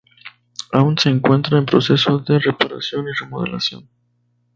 Aún se encuentra en proceso de reparación y remodelación